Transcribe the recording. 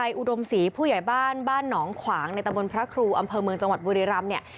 อุดมศรีผู้ใหญ่บ้านบ้านหนองขวางในตะบนพระครูอำเภอเมืองจังหวัดบุรีรำเนี่ย